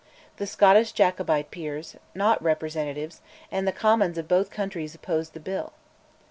The Scottish Jacobite peers (not representatives) and the Commons of both countries opposed the Bill.